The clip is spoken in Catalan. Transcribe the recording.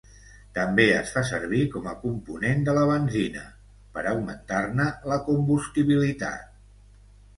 També es fa servir com a component de la benzina, per augmentar-ne la combustibilitat.